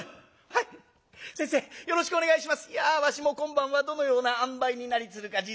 「いやわしも今晩はどのようなあんばいになりつるか実に楽しみだ。